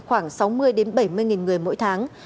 khoảng sáu mươi bảy mươi nghìn người mỗi tháng